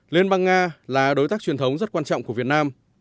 liên bang nga là đối tác truyền thống rất quan trọng của việt nam